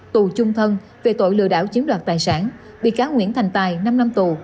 tù chung thân về tội lừa đảo chiếm đoạt tài sản bị cáo nguyễn thành tài năm năm tù